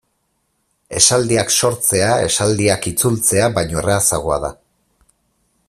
Esaldiak sortzea esaldiak itzultzea baino errazagoa da.